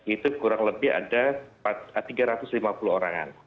itu kurang lebih ada tiga ratus lima puluh orangan